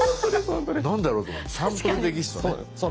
何だろうってサンプルテキストね。